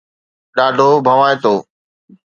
ڏاڍو ڀوائتو